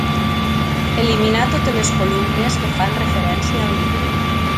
Eliminar totes les columnes que fan referència al Nivell.